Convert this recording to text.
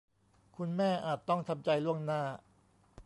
คุณแม่อาจต้องทำใจล่วงหน้า